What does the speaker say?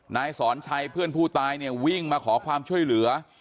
นายสอนชัยเพื่อนผู้ตายเนี่ยวิ่งมาขอความช่วยเหลือ